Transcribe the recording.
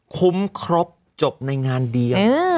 คุ้มครบจบในงานเดียว